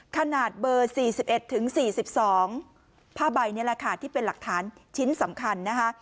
ขนาดเบอร์๔๑๔๒ผ้าใบนี่แหละค่ะที่เป็นหลักฐานชิ้นสำคัญนะคะ